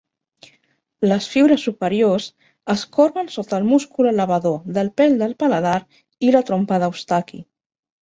Les fibres superiors es corben sota el múscul elevador del pel del paladar i la trompa d'Eustaqui.